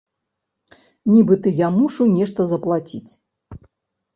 Нібыта я мушу нешта заплаціць.